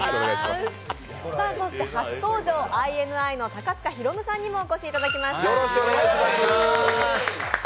そして初登場ＩＮＩの高塚大夢さんにもお越しいただきました。